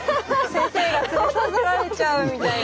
先生が連れ去られちゃうみたいな。